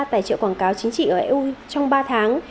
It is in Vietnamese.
tài trợ quảng cáo chính trị ở eu trong ba tháng